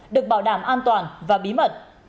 được bảo đảm an toàn và bí mật